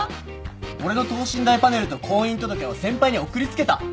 俺の等身大パネルと婚姻届を先輩に送り付けた？